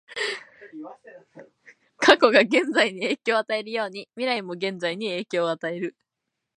過去が現在に影響を与えるように、未来も現在に影響を与える。